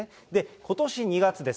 ことし２月です。